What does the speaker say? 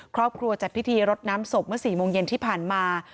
ครอบครัวจัดพิธีรดน้ำศพเมื่อ๔โมงเย็นที่ผ่านมา